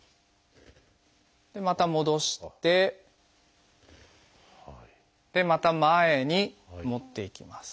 でまた戻してでまた前に持っていきます。